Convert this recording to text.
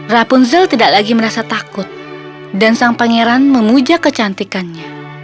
rapunzel tidak lagi merasa takut dan sang pangeran memuja kecantikannya